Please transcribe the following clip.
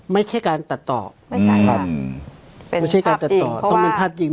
ไม่ใช่การตัดต่อไม่ใช่ครับไม่ใช่การตัดต่อต้องเป็นภาพยิง